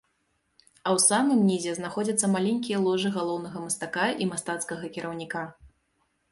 А ў самым нізе знаходзяцца маленькія ложы галоўнага мастака і мастацкага кіраўніка.